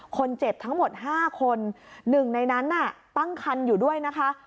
คนเจ็บทั้งหมด๕คนหนึ่งในนั้นน่ะตั้งคันอยู่ด้วยนะคะ